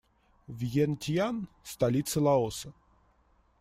Вьентьян - столица Лаоса.